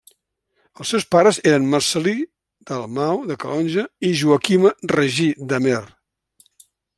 Els seus pares eren Marcel·lí Dalmau, de Calonge, i Joaquima Regí, d'Amer.